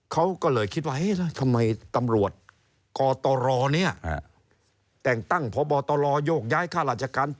เขาก็เลยคิดว่าทำไมตำรวจกตรเนี่ยแต่งตั้งพบตรโยกย้ายข้าราชการ